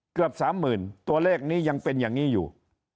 เกือบสามหมื่นตัวเลขนี้ยังเป็นอย่างนี้อยู่